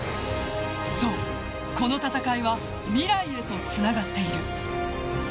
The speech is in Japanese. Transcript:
そう、この戦いは未来へとつながっている。